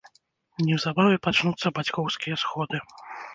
Неўзабаве пачнуцца бацькоўскія сходы.